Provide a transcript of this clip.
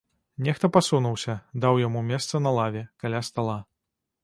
Нехта пасунуўся, даў яму месца на лаве, каля стала.